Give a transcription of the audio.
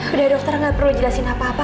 udah dokter nggak perlu jelasin apa apa